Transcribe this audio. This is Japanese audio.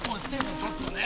ちょっとねえ！